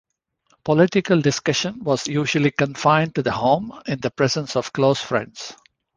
Political discussion was usually confined to the home, in the presence of close friends.